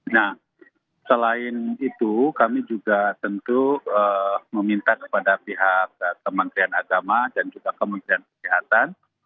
nah selain itu kami juga tentu meminta kepada pihak kementerian agama dan juga kementerian kesehatan